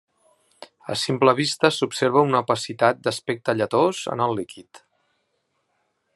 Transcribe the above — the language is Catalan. A simple vista s'observa una opacitat d'aspecte lletós en el líquid.